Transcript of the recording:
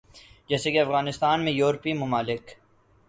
جیسے کے افغانستان میں یورپی ممالک